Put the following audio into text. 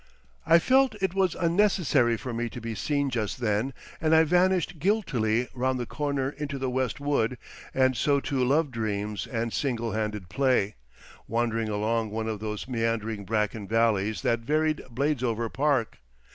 I felt it was unnecessary for me to be seen just then, and I vanished guiltily round the corner into the West Wood, and so to love dreams and single handed play, wandering along one of those meandering bracken valleys that varied Bladesover park.